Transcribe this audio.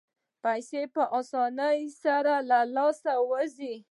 پیسې په اسانۍ سره له لاسه وځي.